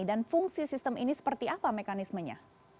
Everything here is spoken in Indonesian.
dan fungsi sistem ini seperti apa mekanismenya